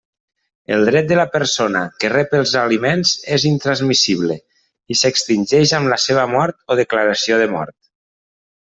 El dret de la persona que rep els aliments és intransmissible i s'extingeix amb la seva mort o declaració de mort.